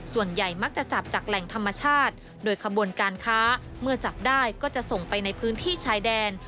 ส่วนใหญ่มักจะจับจากแหล่งธรรมชาติโดยขบวนการค้าเมื่อจับได้ก็จะส่งไปในพื้นที่ชายแดน